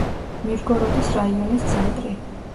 მირგოროდის რაიონის ცენტრი.